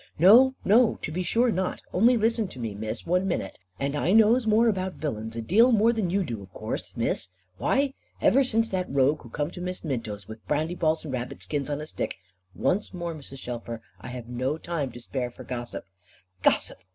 "No, no, to be sure not. Only listen to me, Miss, one minute; and I knows more about willains, a deal more than you do of course, Miss. Why, ever since that rogue who come to Miss Minto's with brandyballs and rabbitskins on a stick." "Once more, Mrs. Shelfer, I have no time to spare for gossip " "Gossip!